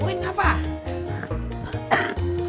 jalannya cepat amat